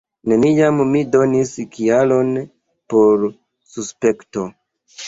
Neniam mi donis kialon por suspekto.